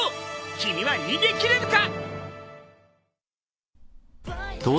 君は逃げ切れるか！？